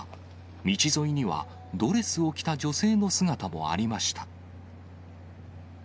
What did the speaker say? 道沿いには、ドレスを着た女性の姿もありました。